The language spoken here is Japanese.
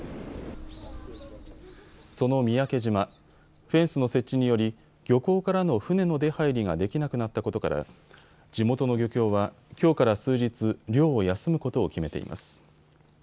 その三宅島、フェンスの設置により漁港からの船の出はいりができなくなったことから地元の漁協はきょうから数日、漁を休むことを決めています。